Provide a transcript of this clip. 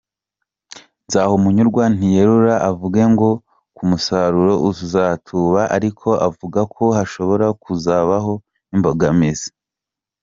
Nzahumunyurwa ntiyerura ngo avuge ko umusaruro uzatuba, ariko avuga ko hashobora kuzabaho imbogamizi.